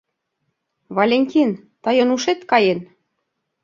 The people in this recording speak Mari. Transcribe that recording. Валентин, тыйын ушет каен!